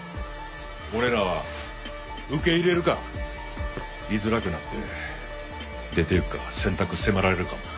俺らは受け入れるか居づらくなって出ていくか選択迫られるかもな。